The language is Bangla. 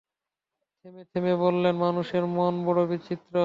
থেমেথেমে বললেন, মানুষের মন বড় বিচিত্র।